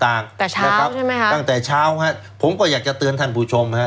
ตั้งแต่เช้าใช่ไหมครับตั้งแต่เช้าครับผมก็อยากจะเตือนท่านผู้ชมครับ